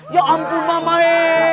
ya ampun mamae